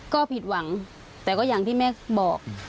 ก็ผิดหวังแต่ก็อย่างที่แม่บอก